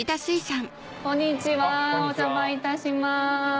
こんにちはお邪魔いたします。